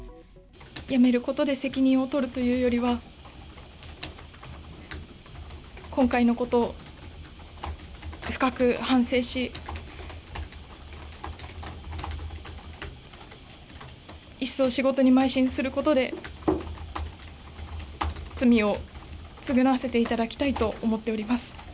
辞めることで責任を取るというよりは、今回のことを深く反省し、一層仕事にまい進することで、罪を償わせていただきたいと思っております。